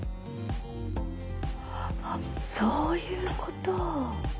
あっそういうこと。